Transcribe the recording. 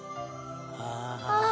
ああ。